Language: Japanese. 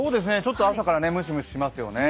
朝からムシムシしますよね。